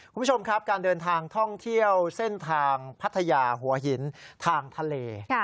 คุณผู้ชมครับการเดินทางท่องเที่ยวเส้นทางพัทยาหัวหินทางทะเล